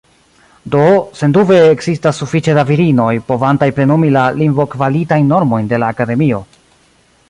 Do, sendube ekzistas ”sufiĉe da virinoj” povantaj plenumi la lingvokvalitajn normojn de la Akademio.